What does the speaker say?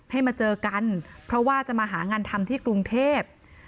ให้มาเจอกันเพราะว่าจะมาหางานทำที่กรุงเทพ